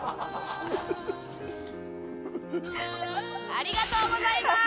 ありがとうございます！